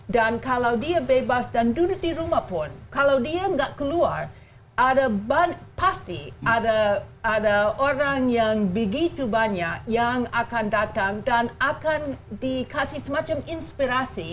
dan kalau dia bebas dan duduk di rumah pun kalau dia tidak keluar pasti ada orang yang begitu banyak yang akan datang dan akan dikasih semacam inspirasi